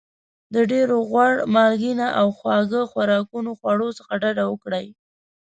د ډېر غوړ مالګېنه او خواږه خوراکونو خواړو څخه ډاډه وکړئ.